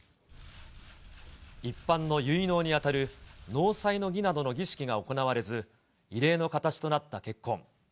一般の結納に当たる、納采の儀などの儀式が行われず、異例の形となった結婚。